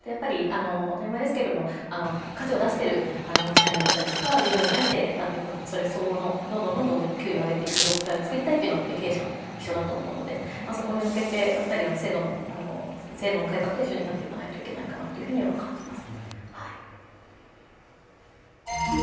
当たり前ですけれども価値を出している社員だったり従業員に対してそれ相応のどんどん給料を上げていく状態を作りたいというのは経営者も一緒だと思うのでそこに向けて、制度の改革と一緒にやっていかないとと感じます。